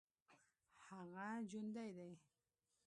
هغه جوندى دى.